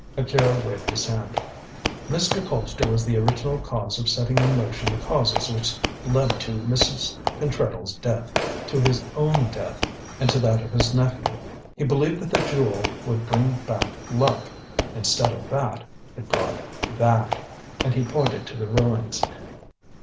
Akira waved his hand. "Mr. Colpster was the original cause of setting in motion the causes which led to Mrs. Pentreddle's death, to his own death, and to that of his nephew. He believed that the Jewel would bring back luck. Instead of that, it brought that," and he pointed to the ruins.